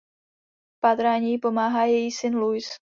V pátrání jí pomáhá její syn Luis.